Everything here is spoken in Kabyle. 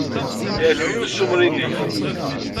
Yeɛjeb-iyi ussumer-nnek.